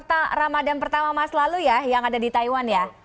kita ramadan pertama masa lalu ya yang ada di taiwan ya